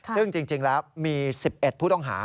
ซึ่งจริงแล้วมี๑๑ผู้ต้องหา